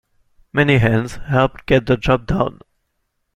Many hands help get the job done.